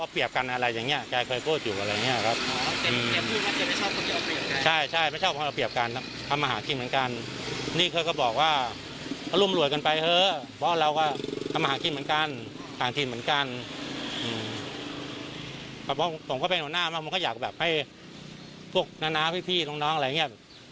ไปหน่วงหน้ามามันก็อยากให้พวกน้านาพี่น้องอะไรอย่างนี้